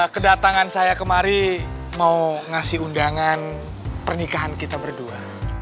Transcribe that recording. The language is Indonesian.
kedatangan saya kemari mau ngasih undangan pernikahan kita berdua